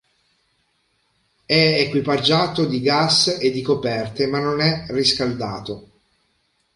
È equipaggiato di gas e di coperte ma non è riscaldato.